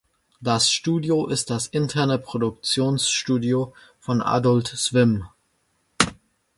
Das Studio ist das interne Produktionsstudio von Adult Swim.